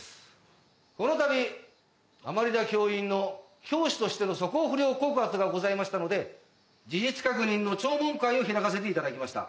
この度甘利田教員の教師としての素行不良告発がございましたので事実確認の聴聞会を開かせて頂きました。